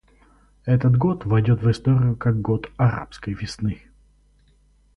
Этот год войдет в историю как год «арабской весны».